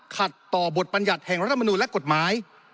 ขัดต่อบทบรรยัติแห่งรัฐมนูลและกฎหมาย